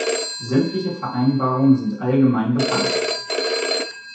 Sämtliche Vereinbarungen sind allgemein bekannt.